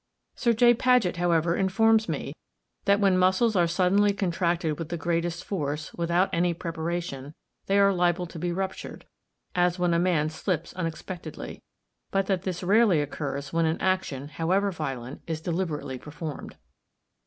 Sir J. Paget, however, informs me that when muscles are suddenly contracted with the greatest force, without any preparation, they are liable to be ruptured, as when a man slips unexpectedly; but that this rarely occurs when an action, however violent, is deliberately performed.